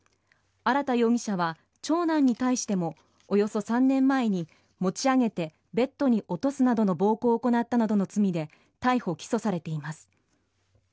荒田容疑者は長男に対してもおよそ３年前に持ち上げてベッドに落とすなどの暴行を行ったなどの罪で逮捕・起訴されています。